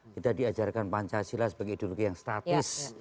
kita diajarkan pancasila sebagai ideologi yang statis